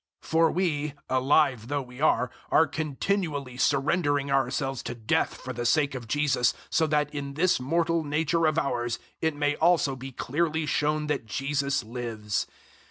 004:011 For we, alive though we are, are continually surrendering ourselves to death for the sake of Jesus, so that in this mortal nature of ours it may also be clearly shown that Jesus lives.